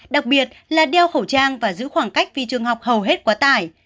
đặc biệt là đeo khẩu trang và giữ khoảng cách vì trường học hầu hết quá tải